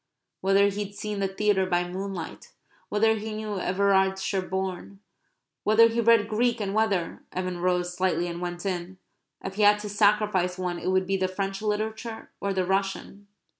whether he'd seen the theatre by moonlight; whether he knew Everard Sherborn; whether he read Greek and whether (Evan rose silently and went in) if he had to sacrifice one it would be the French literature or the Russian?